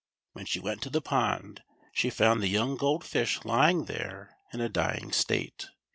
When she went to the pond, she found the j'oung Gold Fish lying there in a d\ ing state.